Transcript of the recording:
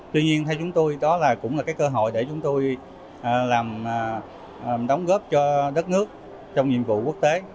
tuy nhiên theo chúng tôi đó cũng là cái cơ hội để chúng tôi làm đóng góp cho đất nước trong nhiệm vụ quốc tế